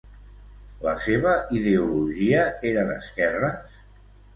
La seva ideologia era d'esquerres?